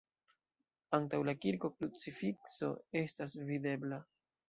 Antaŭ la kirko krucifikso estas videbla.